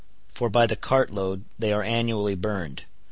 For by the cart load they are annually burned.